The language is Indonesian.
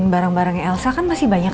barang barangnya elsa kan masih banyak